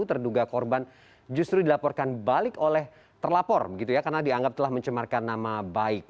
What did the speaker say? terduga korban justru dilaporkan balik oleh terlapor begitu ya karena dianggap telah mencemarkan nama baik